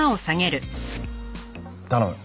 頼む。